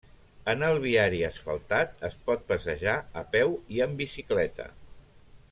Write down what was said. En el viari asfaltat es pot passejar a peu i en bicicleta.